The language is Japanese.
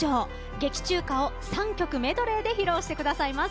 劇中歌を３曲メドレーで披露してくださいます。